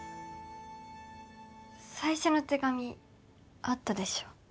最初の手紙あったでしょ？